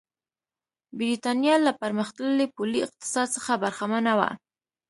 برېټانیا له پرمختللي پولي اقتصاد څخه برخمنه وه.